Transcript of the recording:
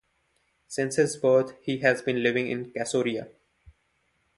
Since his birth he has been living in Casoria.